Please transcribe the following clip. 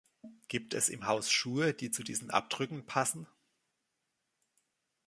Gibt es im Haus Schuhe, die zu diesen Abdrücken passen?